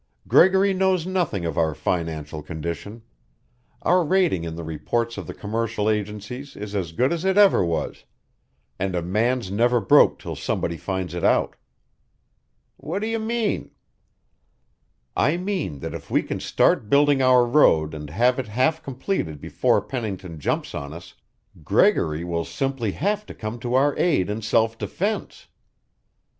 "Gregory knows nothing of our financial condition. Our rating in the reports of the commercial agencies is as good as it ever was, and a man's never broke till somebody finds it out." "What do you mean?" "I mean that if we can start building our road and have it half completed before Pennington jumps on us, GREGORY WILL SIMPLY HAVE TO COME TO OUR AID IN SELF DEFENSE.